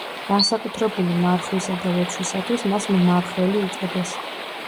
განსაკუთრებული მარხვისა და ლოცვისათვის მას მმარხველი უწოდეს.